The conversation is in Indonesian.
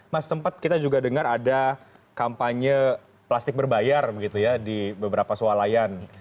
mas sempat kita juga dengar ada kampanye plastik berbayar di beberapa sualayan